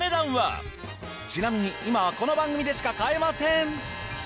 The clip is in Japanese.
ちなみに今はこの番組でしか買えません。